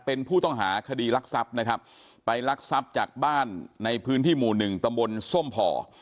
เป็นผู้ต้องหาคดีรักษัพนะครับไปรักษัพจากบ้านในพื้นที่หมู่๑ตำบลส้มพ่อ